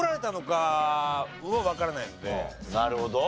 なるほど。